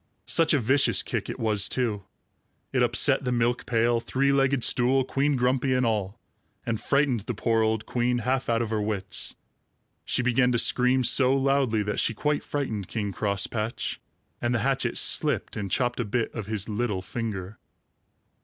Such a vicious kick it was, too! It upset the milk pail, three legged stool, Queen Grumpy and all, and frightened the poor old queen half out of her wits. She began to scream so loudly that she quite frightened King Crosspatch, and the hatchet slipped and chopped a bit of his little finger.